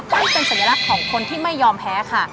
นั่นเป็นสัญลักษณ์ของคนที่ไม่ยอมแพ้ค่ะ